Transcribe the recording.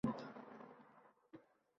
Keksalarni e’zozlash – insoniy burchimiz